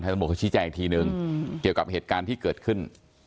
ไทยสมบุคชีแจงอีกทีหนึ่งเกี่ยวกับเหตุการณ์ที่เกิดขึ้น